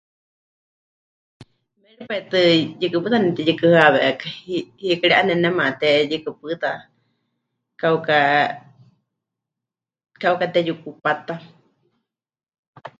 Méripai tɨ yɨkɨ pɨta nepɨtiyukɨhɨawékai, hi... hiikɨ ri 'enemɨnemate yɨkɨ pɨta, kauka, kauka teyukupata.